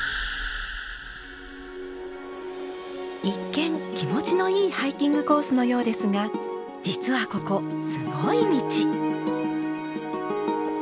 一見気持ちのいいハイキングコースのようですが実はここすごい道。